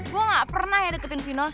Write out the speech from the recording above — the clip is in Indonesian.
gue gak pernah ya deketin vino